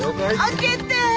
開けて。